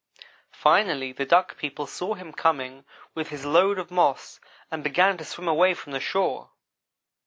Finally the Duck people saw him coming with his load of moss and began to swim away from the shore.